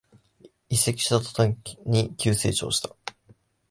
移籍した途端に急成長した